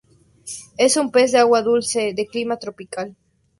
Es un pez de agua dulce, de clima tropical.